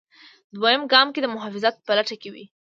دویم ګام کې د محافظت په لټه کې وي.